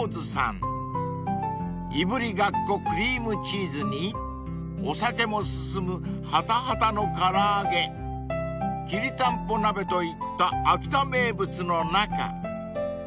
［いぶりがっこクリームチーズにお酒も進むハタハタの唐揚げきりたんぽ鍋といった秋田名物の中］